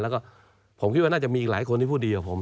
แล้วก็ผมคิดว่าน่าจะมีอีกหลายคนที่พูดดีกว่าผม